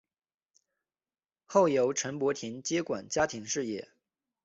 后由陈柏廷接管家族事业。